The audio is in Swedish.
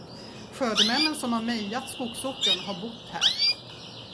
Skördemännen, som har mejat skogsåkern, har bott här.